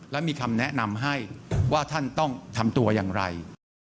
และมีคำแนะนำให้ว่าท่านต้องทำตัวอย่างไร